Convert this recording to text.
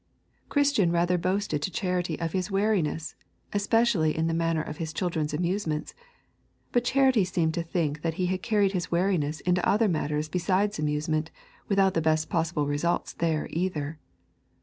Christian rather boasted to Charity of his wariness, especially in the matter of his children's amusements, but Charity seemed to think that he had carried his wariness into other matters besides amusements, without the best possible results there either.